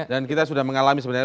dan kita sudah mengalami sebenarnya